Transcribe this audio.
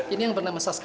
ini yang bernama saskia